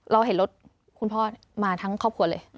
เราเห็นรถคุณพ่อมาทั้งครอบครัวเลย